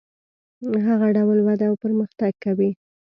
هغه ډول وده او پرمختګ کوي.